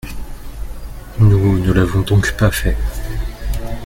Nous ne l’avons donc pas fait.